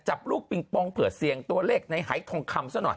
จับลูกปิงปองเผื่อเสี่ยงตัวเลขในหายทองคำซะหน่อย